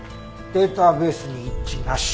データベースに一致なし。